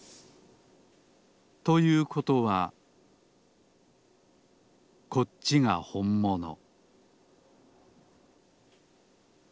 ということはこっちがほんもの